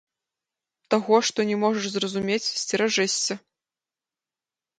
Таго, што не можаш зразумець, сцеражэшся.